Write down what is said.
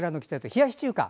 冷やし中華。